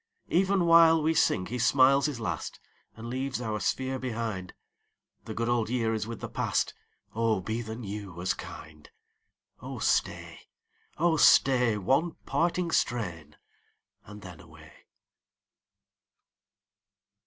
37 Even while we sing he smiles his last And leaves our sphere behind. The good old year is with the past ; Oh be the new as kind ! Oh staj, oh stay, One parting strain, and then away.